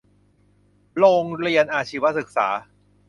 โรงเรียนอาชีวศึกษา